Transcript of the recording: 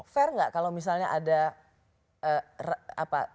pak erick fair enggak kalau misalnya ada